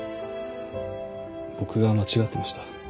僕が間違ってました。